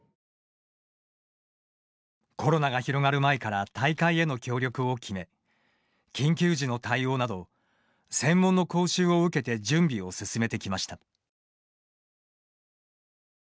コロナが広がる前から大会への協力を決め緊急時の対応など専門の講習を受けて準備を進めてきました。